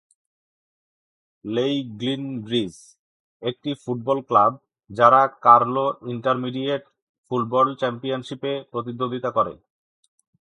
Leighlinbridge একটি football club যারা Carlow intermediate football চ্যাম্পিয়নশিপে প্রতিদ্বন্দ্বিতা করে।